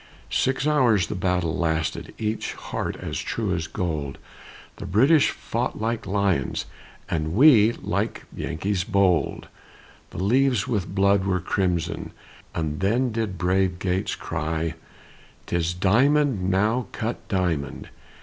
Six hours the battle lasted, Each heart as true as gold, The British fought like lions, And we like Yankees bold; The leaves with blood were crimson, And then did brave Gates cry, "'Tis diamond now cut diamond!